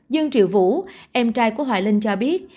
dương triệu vũ em trai của hoài linh cho biết